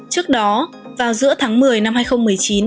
trước đó vào giữa tháng một mươi năm hai nghìn một mươi chín